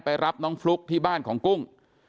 รับน้องฟลุ๊กที่บ้านของกุ้ง